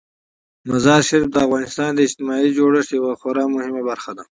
مزارشریف د افغانستان د اجتماعي جوړښت یوه خورا مهمه برخه ده.